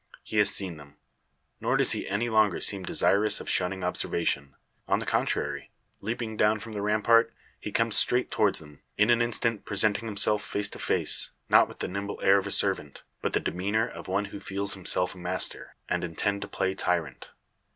He has seen them. Nor does he any longer seem desirous of shunning observation. On the contrary, leaping down from the rampart, he comes straight towards them; in an instant presenting himself face to face, not with the nimble air of a servant, but the demeanour of one who feels himself master, and intend to play tyrant.